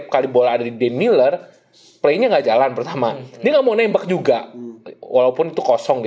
kalau lu nonton pertandingan bali